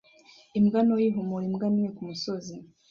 Imbwa ntoya ihumura imbwa nini kumusozi